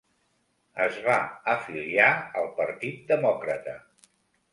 Es va afiliar al Partit Demòcrata.